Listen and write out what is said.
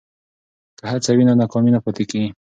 که هڅه وي نو ناکامي نه پاتیږي.